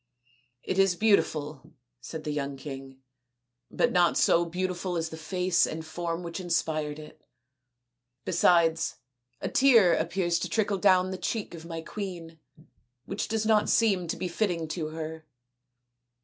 " It is beautiful," said the young king, " but not so beautiful as the face and form which inspired it. Besides, a tear appears to trickle down the cheek of my queen, which does not seem to be fitting to her."